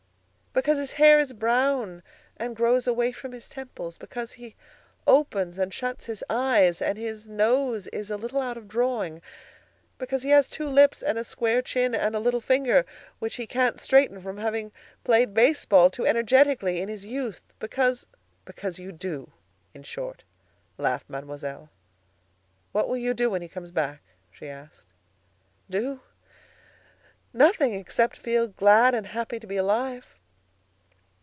Because his hair is brown and grows away from his temples; because he opens and shuts his eyes, and his nose is a little out of drawing; because he has two lips and a square chin, and a little finger which he can't straighten from having played baseball too energetically in his youth. Because—" "Because you do, in short," laughed Mademoiselle. "What will you do when he comes back?" she asked. "Do? Nothing, except feel glad and happy to be alive."